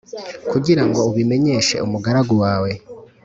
kugira ngo ubimenyeshe umugaragu wawe.